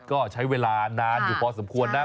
ก็ใช้เวลานานอยู่พอสมควรนะ